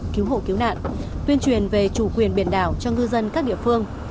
cứu hộ cứu nạn tuyên truyền về chủ quyền biển đảo cho ngư dân các địa phương